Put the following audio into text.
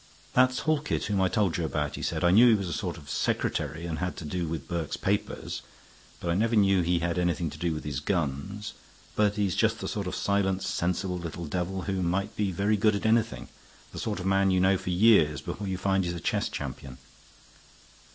"That's Halkett, whom I told you about," he said. "I knew he was a sort of secretary and had to do with Burke's papers; but I never knew he had anything to do with his guns. But he's just the sort of silent, sensible little devil who might be very good at anything; the sort of man you know for years before you find he's a chess champion."